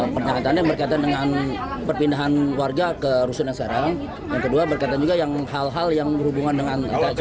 pembongkaran warga ke rusun yang sekarang yang kedua berkaitan juga hal hal yang berhubungan dengan